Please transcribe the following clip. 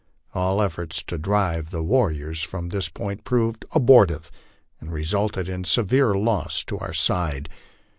All efforts to drive the warriors from this point proved abortive, and resulted in severe loss to our side.